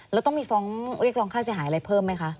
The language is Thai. แล้วต้องมีฟ้องเรียกร้องค่าเสียหายอะไรเพิ่มไหมคะ